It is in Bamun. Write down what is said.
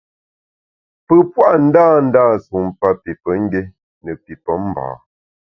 Pe pua’ ndândâ sumpa pi pemgbié ne pi pemba.